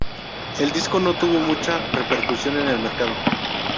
El disco no tuvo mucha repercusión en el mercado.